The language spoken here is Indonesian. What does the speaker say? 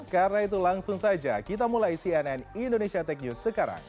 karena itu langsung saja kita mulai cnn indonesia tech news sekarang